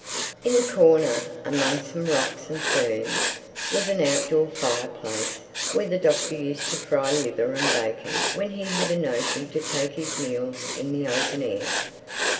In a corner, among some rocks and ferns, was an outdoor fire place, where the Doctor used to fry liver and bacon when he had a notion to take his meals in the open air.